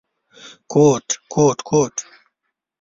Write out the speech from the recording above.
کوټ کوټ کوت…